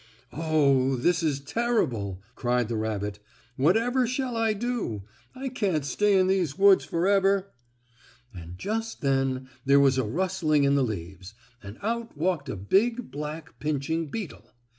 "Oh, this is terrible!" cried the rabbit. "Whatever shall I do? I can't stay in these woods forever." And just then there was a rustling in the leaves, and out walked a big black, pinching beetle.